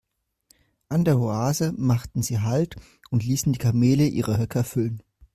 An der Oase machten sie Halt und ließen die Kamele ihre Höcker füllen.